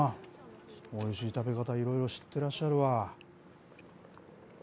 おいしい食べ方、いろいろ知ってらっしゃるわ。